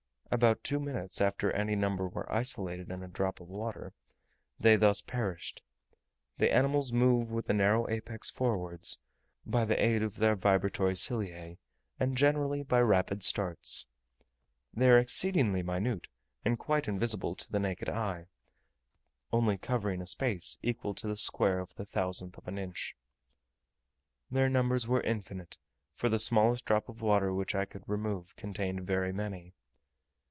About two minutes after any number were isolated in a drop of water, they thus perished. The animals move with the narrow apex forwards, by the aid of their vibratory ciliae, and generally by rapid starts. They are exceedingly minute, and quite invisible to the naked eye, only covering a space equal to the square of the thousandth of an inch. Their numbers were infinite; for the smallest drop of water which I could remove contained very many.